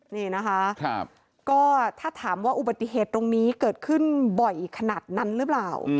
นี่นะคะก็ถ้าถามว่าอุบัติเหตุตรงนี้เกิดขึ้นบ่อยขนาดนั้นหรือเปล่า